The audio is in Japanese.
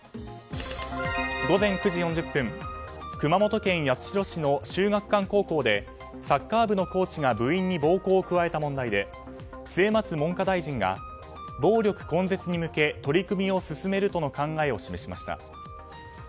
午前９時４０分、熊本県八代市の秀岳館高校でサッカー部のコーチが部員に暴行を加えた問題で末松文科大臣が暴力根絶に向け取り組みを進めるとの考えを示しました。